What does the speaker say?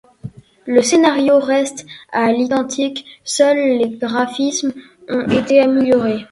Le scénario reste à l'identique, seuls les graphismes ont été améliorés.